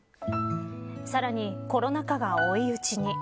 さらに、コロナ禍が追い打ちに。